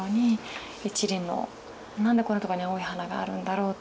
なんでこんなとこに青い花があるんだろうと。